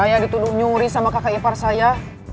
saya dituduh nyuri sama kakak ipar saya